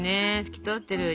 透き通ってる。